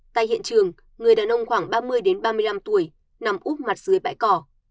tại hiện trường người đàn ông khoảng ba mươi ba mươi năm tuổi nằm úp mặt dưới bãi cỏ